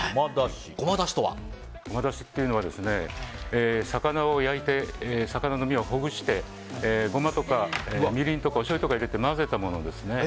ごまだしというのは魚を焼いて、魚の身をほぐしてゴマとか、みりんとかおしょうゆを入れて混ぜたものですね。